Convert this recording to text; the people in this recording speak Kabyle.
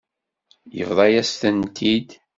Yebḍa-yas-tent-id.